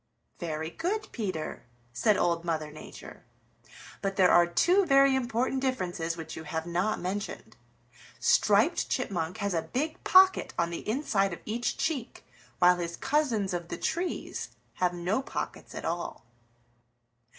"Very good, Peter," said Old Mother Nature. "But there are two very important differences which you have not mentioned. Striped Chipmunk has a big pocket on the inside of each cheek, while his cousins of the trees have no pockets at all."